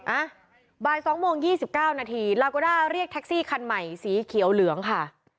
อะบายสองโมงหยี่สิบเก้านาทีลากโกด้าเรียกแท็กซี่คันใหม่สีเขียวเหลืองค่ะ